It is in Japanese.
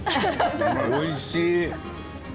おいしい。